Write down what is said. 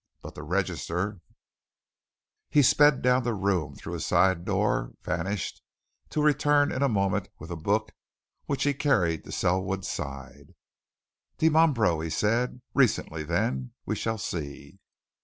But the register " He sped down the room, through a side door, vanished; to return in a moment with a book which he carried to Selwood's side. "Dimambro?" he said. "Recently, then? We shall see."